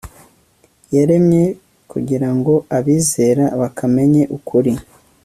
yaremye kugira ngo abizera bakamenya ukuri